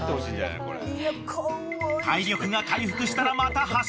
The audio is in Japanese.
［体力が回復したらまた走りだし］